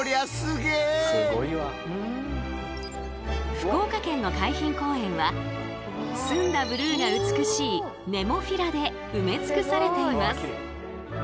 福岡県の海浜公園は澄んだブルーが美しいネモフィラで埋め尽くされています。